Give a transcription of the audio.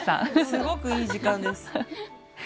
すごくいい時間です。